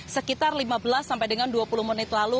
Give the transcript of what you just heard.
sekitar lima belas sampai dengan dua puluh menit lalu